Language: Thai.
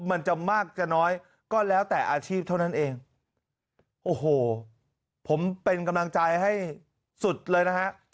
มันจะมากจะน้อยก็แล้วแต่อาชีพเท่านั้นเองโอ้โหผมเป็นกำลังใจให้สุดเลยนะฮะ